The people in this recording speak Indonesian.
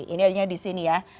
ini adanya di sini ya